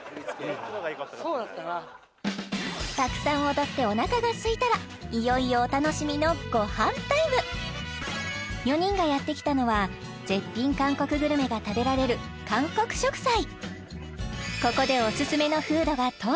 こっちのがよかったかもそうだったなたくさん踊っておなかがすいたらいよいよお楽しみのごはんタイム４人がやってきたのは絶品韓国グルメが食べられるここできたー！